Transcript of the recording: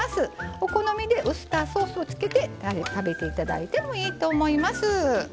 お好みでウスターソースをつけて食べていただいてもいいと思います。